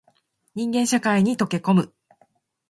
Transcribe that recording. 人間社会に溶け込む